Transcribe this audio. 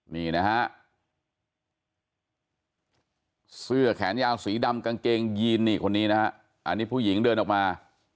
นี่นะฮะเสื้อแขนยาวสีดำกางเกงยีนนี่คนนี้นะฮะอันนี้ผู้หญิงเดินออกมา